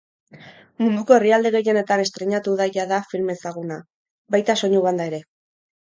Munduko herrialde gehienetan estreinatu da jada film ezaguna, baita soinu-banda ere.